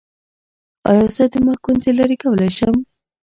ایا زه د مخ ګونځې لرې کولی شم؟